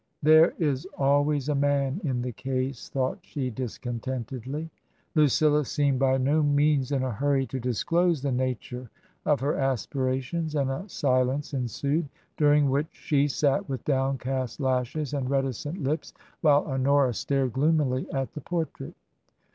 " There is always a man in the case !" thought she, discontentedly. Lucilla seemed by no means in a hurry to disclose the nature of her aspirations, and a silence ensued, during which she sat with downcast lashes and reticent lips, while Honora stared gloomily at the portrait.